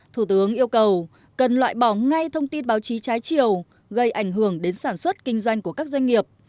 thủ tướng yêu cầu cần loại bỏ ngay thông tin báo chí trái chiều gây ảnh hưởng đến sản xuất kinh doanh của các doanh nghiệp